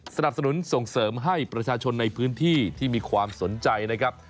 สนับสนุนส่งเสริมให้ประชาชนในพื้นที่ที่มีความสนใจนะครับ